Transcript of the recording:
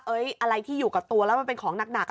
อะไรที่อยู่กับตัวแล้วมันเป็นของหนัก